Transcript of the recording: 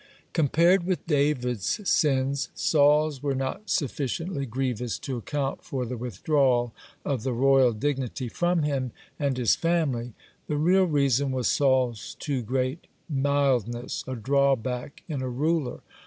(62) Compared with David's sins, Saul's were not sufficiently grievous to account for the withdrawal of the royal dignity from him and his family. The real reason was Saul's too great mildness, a drawback in a ruler.